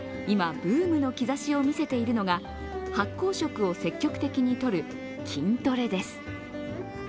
今、ブームの兆しを見せているのが発酵食を積極的にとる菌トレです。